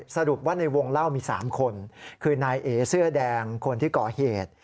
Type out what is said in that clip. สรุปว่าในวงเล่ามี๓คนคือนายเอเสื้อแดงคนที่ก่อเหตุ